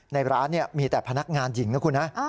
ในร้านมีแต่พนักงานหญิงนะคุณฮะ